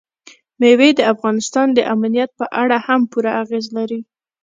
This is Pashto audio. مېوې د افغانستان د امنیت په اړه هم پوره اغېز لري.